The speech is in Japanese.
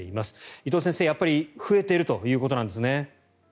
伊藤先生、やっぱり増えているということですね。